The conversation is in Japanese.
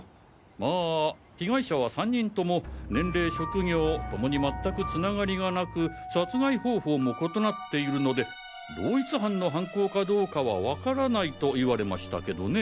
まあ被害者は３人とも年齢職業ともに全く繋がりがなく殺害方法も異なっているので同一犯の犯行かどうかはわからないと言われましたけどね。